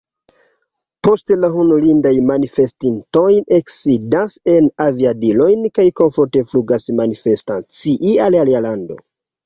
Poste la honorindaj manifestintoj eksidas en aviadilojn kaj komforte flugas manifestacii al alia lando.